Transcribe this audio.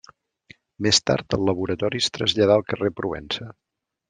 Més tard, el laboratori es traslladà al carrer Provença.